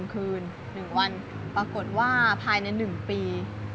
๑คืน๑วันปรากฏว่าภายใน๑ปี